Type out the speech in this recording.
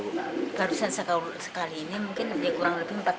barusan sekali ini mungkin kurang lebih empat hari